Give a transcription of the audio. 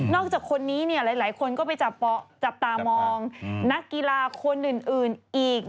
จากคนนี้หลายคนก็ไปจับตามองนักกีฬาคนอื่นอีก